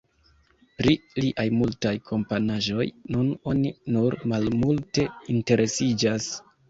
Pri liaj multaj komponaĵoj nun oni nur malmulte interesiĝas.